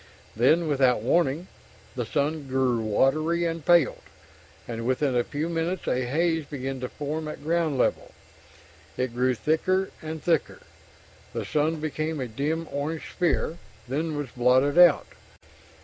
Then, without warning, the sun grew watery and paled, and within a few minutes a haze began to form at ground level. It grew thicker and thicker; the sun became a dim orange sphere, then was blotted out.